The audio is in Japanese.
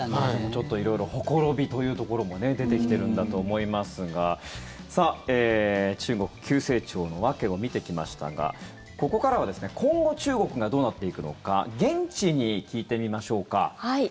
ちょっと色々ほころびというところも出てきてるんだと思いますが中国、急成長の訳を見てきましたがここからは今後、中国がどうなっていくのか現地に聞いてみましょうか。